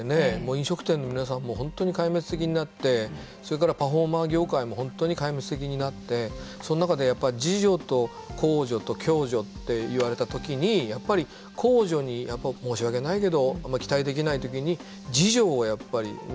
飲食店の皆さんも本当に壊滅的になってそれからパフォーマー業界も本当に壊滅的になってその中でやっぱ自助と公助と共助って言われた時にやっぱり自分でなんとかやっていくしかないんだ。